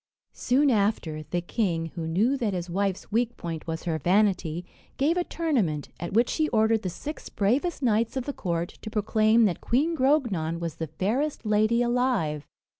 Soon after, the king, who knew that his wife's weak point was her vanity, gave a tournament, at which he ordered the six bravest knights of the court to proclaim that Queen Grognon was the fairest lady alive.